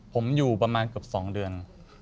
ผมอยู่ประมาณเกือบ๒เดือน